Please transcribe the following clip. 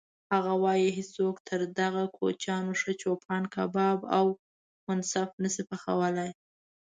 هغه وایي: هیڅوک تر دغو کوچیانو ښه چوپان کباب او منسف نه شي پخولی.